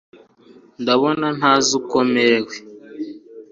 ndabona ntazi uko merewe